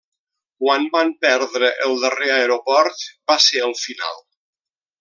Quan van perdre el darrer aeroport va ser el final.